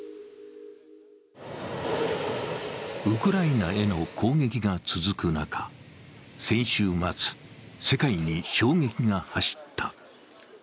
ウクライナへの攻撃が続く中、先週末、世界に衝撃が走った。